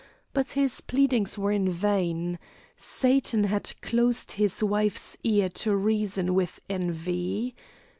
But his pleadings were in vain. Satan had closed his wife's ear to reason with envy.